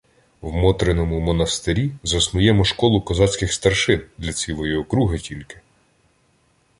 В Мотриному монастирі заснуємо школу козацьких старшин для цілої округи, тільки.